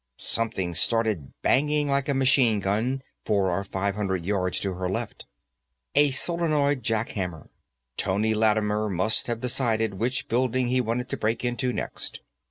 Something started banging like a machine gun, four or five hundred yards to her left. A solenoid jack hammer; Tony Lattimer must have decided which building he wanted to break into next.